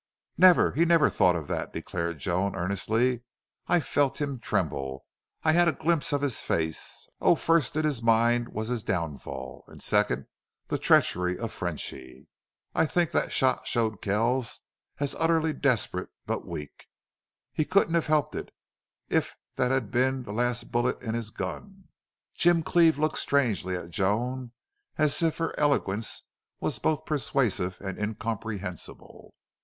"Never! He never thought of that," declared Joan, earnestly. "I felt him tremble. I had a glimpse of his face.... Oh!... First in his mind was his downfall, and, second, the treachery of Frenchy. I think that shot showed Kells as utterly desperate, but weak. He couldn't have helped it if that had been the last bullet in his gun." Jim Cleve looked strangely at Joan, as if her eloquence was both persuasive and incomprehensible.